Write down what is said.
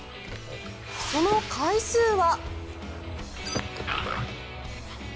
その回数は。